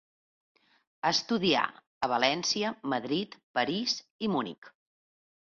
Estudià a València, Madrid, París i Munic.